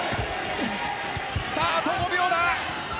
さあ、あと５秒だ。